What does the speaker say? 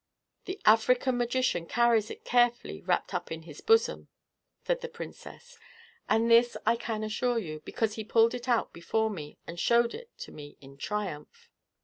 "The African magician carries it carefully wrapt up in his bosom," said the princess; "and this I can assure you, because he pulled it out before me, and showed it to me in triumph."